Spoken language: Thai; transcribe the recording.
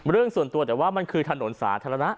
เรื่องส่วนตัวแต่ว่ามันคือถนนสาธารณะ